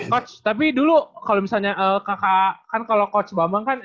coach tapi dulu kalau misalnya kakak kan kalau coach bambang kan